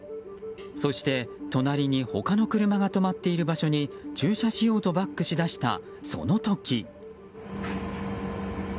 そして、隣に他の車が止まっている場所に駐車しようとバックしだしたその時。